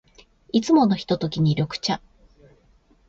いつものひとときに、緑茶。